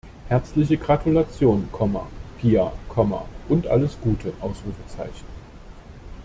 Herzliche Gratulation, Piia, und alles Gute!